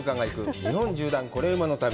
日本縦断コレうまの旅」。